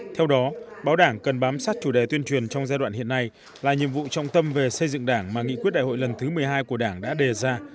theo đó báo đảng cần bám sát chủ đề tuyên truyền trong giai đoạn hiện nay là nhiệm vụ trọng tâm về xây dựng đảng mà nghị quyết đại hội lần thứ một mươi hai của đảng đã đề ra